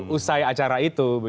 usai acara itu